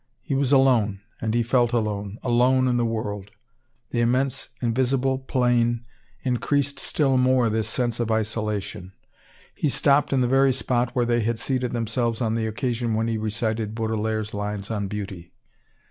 He was alone, and he felt alone, alone in the world. The immense, invisible plain increased still more this sense of isolation. He stopped in the very spot where they had seated themselves on the occasion when he recited Baudelaire's lines on Beauty.